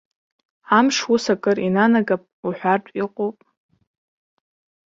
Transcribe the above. Амш ус акыр инанагап уҳәартә иҟоуп.